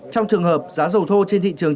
trong trường hợp giá dầu thô trên thị trường